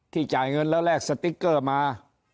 จ่ายเงินแล้วแลกสติ๊กเกอร์มา